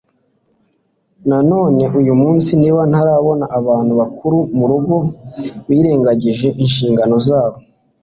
na none uyumunsi niba ntarabona abantu bakuru murugo birengagije inshingano zabo